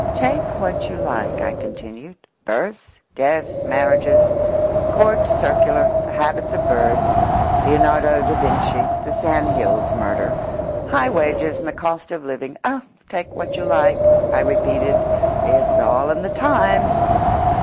"Take what you like," I continued, "births, deaths, marriages, Court Circular, the habits of birds, Leonardo da Vinci, the Sandhills murder, high wages and the cost of living—oh, take what you like," I repeated, "it's all in the Times!"